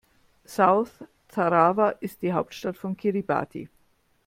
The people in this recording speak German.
South Tarawa ist die Hauptstadt von Kiribati.